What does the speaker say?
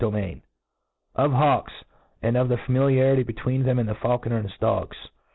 Of Hawks ^ and of the Familiarity between thenk and the Faulcaner and his Dogs.